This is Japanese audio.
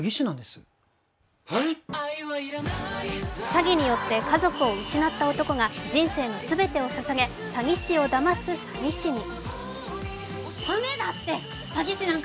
詐欺によって家族を失った男が人生の全てを捧げ詐欺師をだます詐欺師に。